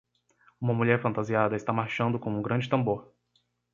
Uma mulher fantasiada está marchando com um grande tambor.